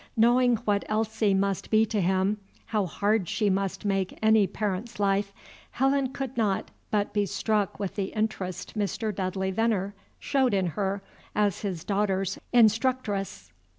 Knowing what Elsie must be to him, how hard she must make any parent's life, Helen could not but be struck with the interest Mr. Dudley Venner showed in her as his daughter's instructress.